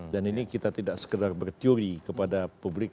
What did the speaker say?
dan ini kita tidak sekedar bertiuri kepada publik